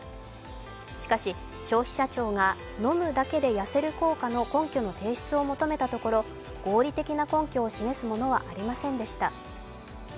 しかし、消費者庁が飲むだけで痩せる効果の根拠の提出を求めたところ合理的な根拠を示すものはありませんでした。